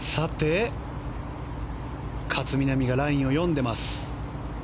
勝みなみがラインを読んでいます。